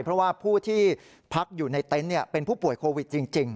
เพราะว่าผู้ที่พักอยู่ในเต็นต์เป็นผู้ป่วยโควิดจริง